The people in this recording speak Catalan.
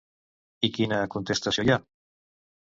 I quina contestació hi ha?